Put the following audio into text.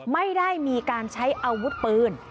ไม่ได้มีการใช้อาวุธปืน